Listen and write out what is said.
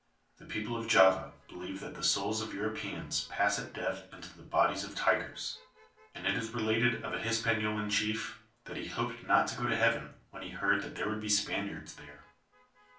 The people of Java believe that the souls of Europeans pass at death into the bodies of tigers ; and it is related of a Hispaniolan chief that he hoped not to go to heaven when he heard there would be Spaniards there.